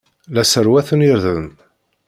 La sserwaten irden.